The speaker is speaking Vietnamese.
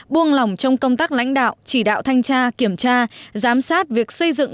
buông lỏng trong công tác lãnh đạo chỉ đạo thanh tra kiểm tra giám sát việc xây dựng